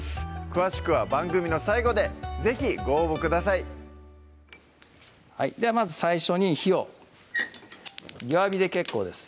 詳しくは番組の最後で是非ご応募くださいではまず最初に火を弱火で結構です